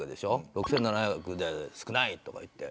６７００万円じゃ少ないとか言って。